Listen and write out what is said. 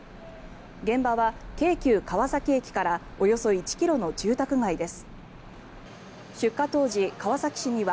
現場は京急川崎駅からおよそ１ｋｍの住宅街です。